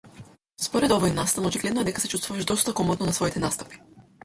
Според овој настап очигледно е дека се чувствуваш доста комотно на своите настапи.